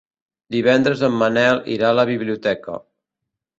Divendres en Manel irà a la biblioteca.